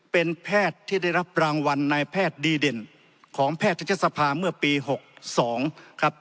เป็นแพทย์ที่ได้รับรางวัลนายแพทย์ดีเด่นของแพทยศภาเมื่อปี๖๒ครับ